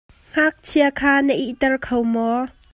Ngakchia kha na it ter kho maw?